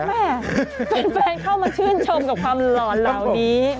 แม่แฟนเข้ามาชื่นชมกับความหล่อเหล่านี้